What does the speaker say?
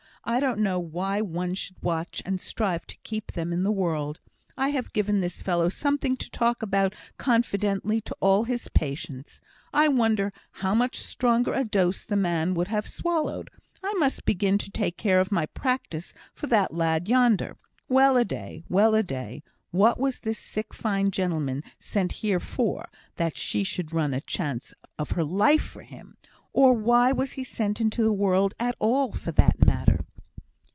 I don't know why one should watch and strive to keep them in the world. I have given this fellow something to talk about confidentially to all his patients; I wonder how much stronger a dose the man would have swallowed! I must begin to take care of my practice for that lad yonder. Well a day! well a day! What was this sick fine gentleman sent here for, that she should run a chance of her life for him? or why was he sent into the world at all, for that matter?"